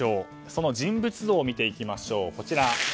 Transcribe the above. その人物像を見ていきましょう。